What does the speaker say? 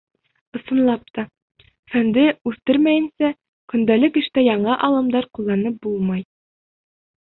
Ысынлап та, фәнде үҫтермәйенсә, көндәлек эштә яңы алымдар ҡулланып булмай.